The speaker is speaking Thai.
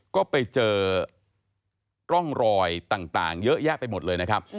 ก็ไปเจอร่องรอยต่างเยอะแยะไปหมดเลยนะครับ